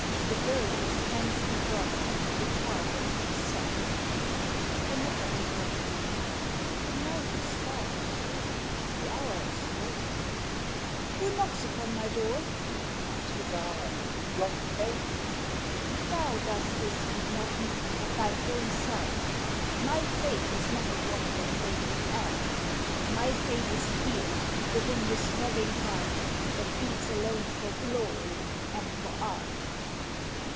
The bow is tensely drawn—the target set. [A knock at the door.] MAID (aside) The night is dark and chill; the hour is late. (Aloud) Who knocks upon my door? A Voice Outside 'Tis I, your fate! MAID Thou dost deceive, not me, but thine own self. My fate is not a wandering, vagrant elf. My fate is here, within this throbbing heart That beats alone for glory, and for art.